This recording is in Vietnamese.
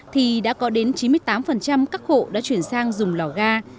thì đã có đến chín mươi tám các hộ đã chuyển sang dùng lò ga